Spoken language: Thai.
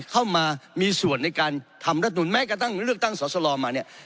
เข้ามามีส่วนในการทำรัฐนุนแม้กระทั่งเลือกตั้งสอสลอมาเนี่ย